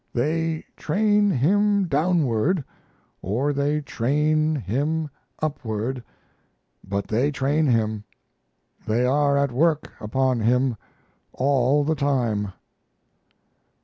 They train him downward or they train him upward but they train him; they are at work upon him all the time."